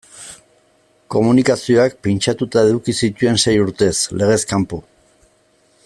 Komunikazioak pintxatuta eduki zituen sei urtez, legez kanpo.